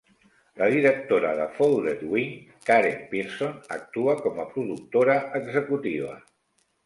La directora de Folded Wing, Karen Pearson, actua com a productora executiva.